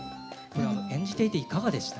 演じていていかがでした？